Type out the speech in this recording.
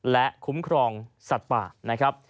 และคุ้มครองสัตว์ป่า